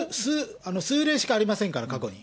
数例しかありませんから、過去に。